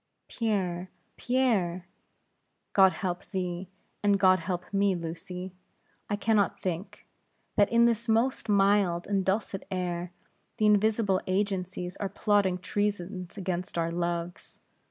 "Pierre! Pierre!" "God help thee, and God help me, Lucy. I can not think, that in this most mild and dulcet air, the invisible agencies are plotting treasons against our loves.